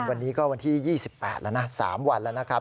วันนี้ก็วันที่๒๘แล้วนะ๓วันแล้วนะครับ